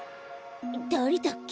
だれだっけ？